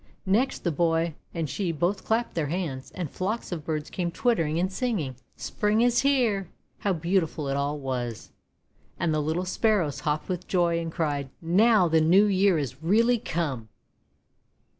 Next, the boy and she both clapped their hands, and flocks of birds came twittering, and singing :—:< Spring is here!): How beautiful it all was ! And the little Sparrows hopped with joy, and cried :— "Now the New Year is reallv come!'